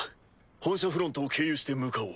本社フロントを経由して向かおう。